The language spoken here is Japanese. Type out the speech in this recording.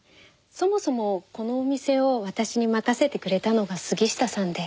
そもそもこのお店を私に任せてくれたのが杉下さんで。